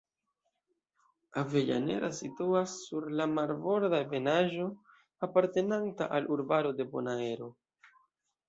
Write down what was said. Avellaneda situas sur la marborda ebenaĵo apartenanta al urbaro de Bonaero.